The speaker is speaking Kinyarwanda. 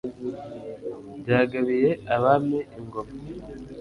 byagabiye abami ingoma